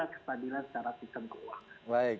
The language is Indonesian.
kesadilan secara sistem keuangan